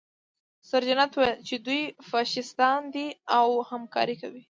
سرجنټ وویل چې دوی فاشیستان دي او همکاري کوي